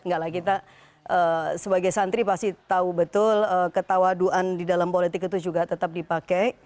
enggak lah kita sebagai santri pasti tahu betul ketawaduan di dalam politik itu juga tetap dipakai